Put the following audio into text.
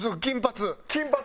金髪。